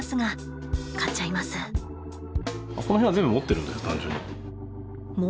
この辺は全部持ってるんで単純に。